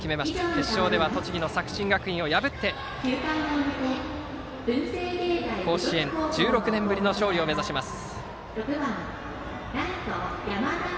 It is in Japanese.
決勝では栃木の作新学院を破って甲子園１６年ぶりの勝利を目指します。